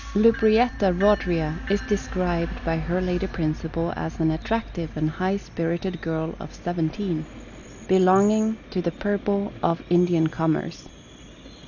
Lubrietta Eodria is described by her Lady Principal as an attractive and high spirited girl of seventeen, belonging to the Purple of 83 (JHOST TALES. Indian commerce.